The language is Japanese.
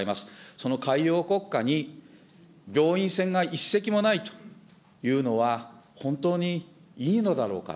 その海洋国家に病院船が１隻もないというのは、本当にいいのだろうか。